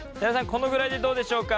このぐらいでどうでしょうか？